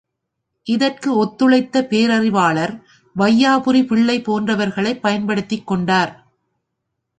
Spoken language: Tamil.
இதற்கு ஒத்துழைத்த பேரறிவாளர் வையாபுரி பிள்ளை போன்றவர்களைப் பயன்படுத்திக் கொண்டார்.